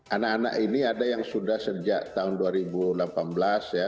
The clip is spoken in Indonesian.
anak anak ini ada yang sudah sejak tahun dua ribu delapan belas ya